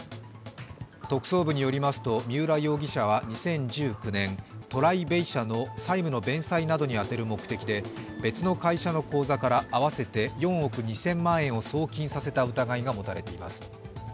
特捜部によりますと三浦容疑者は２０１９年、トライベイ社の債務の弁済などに充てる目的で別の会社の口座からトライベイ社の口座に合わせて４億２０００万円を送金させた疑いが持たれています。